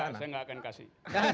saya tidak akan kasih